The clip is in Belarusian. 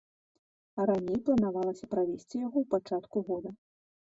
Раней планавалася правесці яго ў пачатку года.